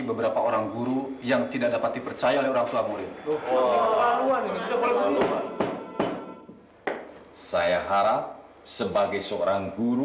beberapa orang guru yang tidak dapat dipercaya oleh orang tua murid saya harap sebagai seorang guru